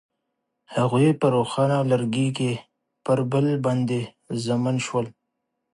هغوی په روښانه لرګی کې پر بل باندې ژمن شول.